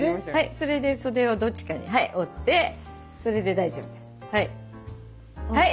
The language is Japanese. それで袖をどっちかにはい折ってそれで大丈夫ですはい。